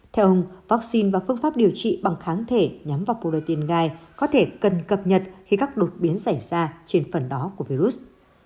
theo ông vaccine và phương pháp điều trị bằng kháng thể nhắm vào protein gai có thể cần cập nhật khi các đột biến xảy ra trên phần đó của virus